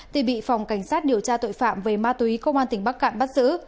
thì bị phòng cảnh sát điều tra tội phạm về ma túy công an tỉnh bắc cạn bắt giữ